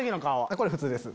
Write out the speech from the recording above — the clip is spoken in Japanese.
これ普通です。